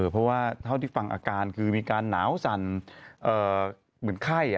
เพราะว่าเท่าที่ฟังอาการคือมีการหนาวสั่นเหมือนไข้